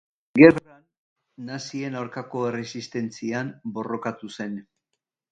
Gerran nazien aurkako erresistentzian borrokatu zen.